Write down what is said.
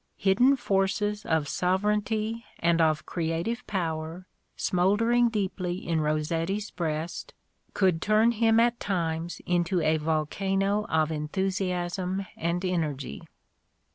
Hidden forces of sovereignty and of creative power, smouldering deeply in Rossetti's breast, could turn him at times into a volcano of en thusiasm and energy.